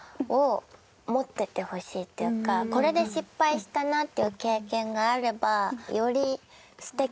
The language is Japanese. これで失敗したなっていう経験があればより素敵な人になってそう。